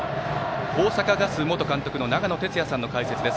大阪ガス元監督の長野哲也さんの解説です。